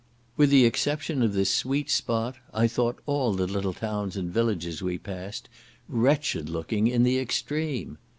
With the exception of this sweet spot, I thought all the little towns and villages we passed, wretched looking, in the extreme.